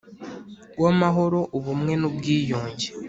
w amahoro ubumwe n ubwiyunge